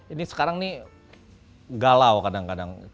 ini sekarang ini galau kadang kadang